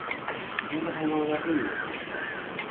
文化祭の役員になったんだって？